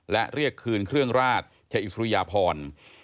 และเรียกคืนเครื่องราชอิสริยพร